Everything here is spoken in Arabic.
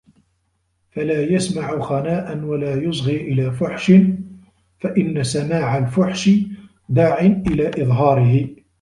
فَلَا يَسْمَعُ خَنَاءً وَلَا يُصْغِي إلَى فُحْشٍ فَإِنَّ سَمَاعَ الْفُحْشِ دَاعٍ إلَى إظْهَارِهِ